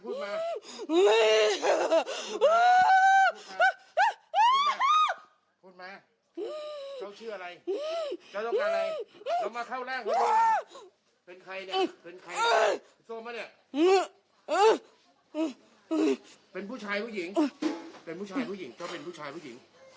เจ้าเป็นผู้ชายหรือผู้หญิง